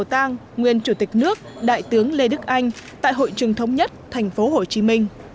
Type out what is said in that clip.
tang nguyên chủ tịch nước đại tướng lê đức anh tại hội trường thống nhất tp hcm